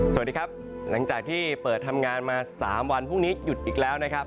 สวัสดีครับหลังจากที่เปิดทำงานมา๓วันพรุ่งนี้หยุดอีกแล้วนะครับ